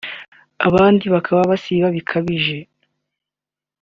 abandi bakaba basiba bikabije